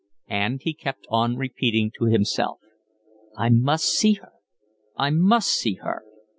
And he kept on repeating to himself: "I must see her. I must see her."